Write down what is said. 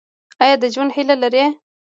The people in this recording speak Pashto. ایا د ژوند هیله لرئ؟